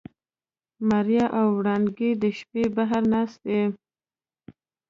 ماريا او وړانګې د شپې بهر ناستې.